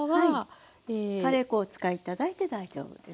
カレー粉をお使い頂いて大丈夫です。